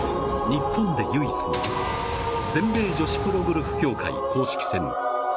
◆日本で唯一の全米女子プロゴルフ協会公式戦。